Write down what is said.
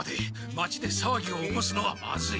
町でさわぎを起こすのはまずい。